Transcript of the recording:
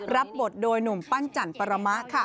รับบทโดยหนุ่มปั้นจันปรมะค่ะ